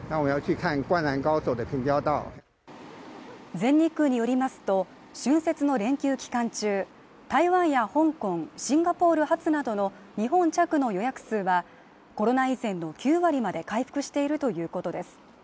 全日空によりますと春節の連休期間中、台湾や香港シンガポール発などの日本着の予約数はコロナ以前の９割まで回復しているということです